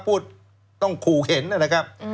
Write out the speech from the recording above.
พูดต้องขู่เห็นนะครับ